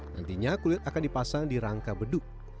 nantinya kulit akan dipasang di rangka beduk